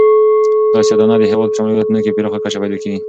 دا سیاه دانه د هېواد په شمالي ولایتونو کې په پراخه کچه پیدا کیږي.